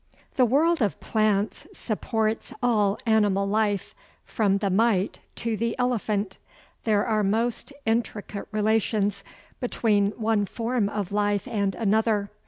The world of plants supports all animal life, from the mite to the elephant. There are most intricate relations between one form of life and another.